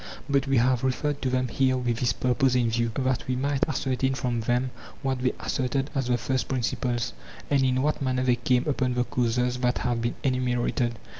But we have referred to them here with this purpose in view, that we might ascertain from them what they asserted as the first principles and in what manner they came upon the causes that have been enumerated.